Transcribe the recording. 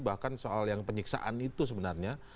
bahkan soal yang penyiksaan itu sebenarnya